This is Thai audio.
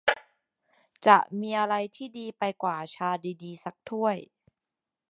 จะมีอะไรที่ดีไปกว่า ชาดี ๆ สักถ้วย ?